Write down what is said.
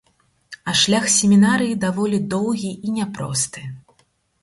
А шлях семінарыі даволі доўгі і няпросты.